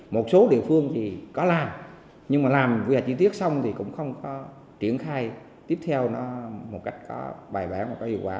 một số địa phương thì có làm nhưng mà làm quy hoạch chi tiết xong thì cũng không có triển khai tiếp theo nó một cách có bài bản và có hiệu quả